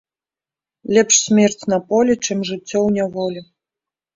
Лепш смерць на полі, чым жыццё ў няволі